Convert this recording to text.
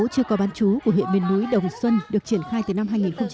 chưa có bán chú của huyện miền núi đồng xuân được triển khai từ năm hai nghìn một mươi